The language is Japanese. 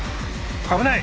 危ない！